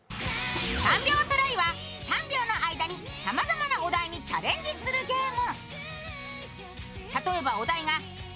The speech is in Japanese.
３秒の間にさまざまなお題にチャレンジするゲーム。